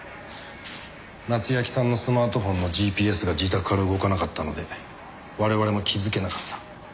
夏焼さんのスマートフォンのＧＰＳが自宅から動かなかったので我々も気づけなかった。